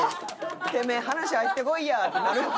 てめえ話入ってこいやってなる。